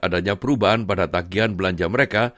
adanya perubahan pada tagian belanja mereka